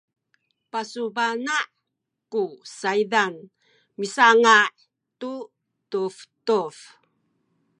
pasubana’ ku saydan misanga’ tu tubtub